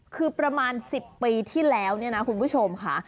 คือประมาณ๑๐ปีที่แล้วคุณผู้ชมค่ะ